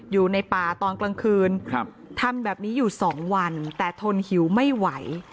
อยู่ในป่าตอนกลางคืนทำแบบนี้อยู่๒วันแต่ทนหิวไม่ไหว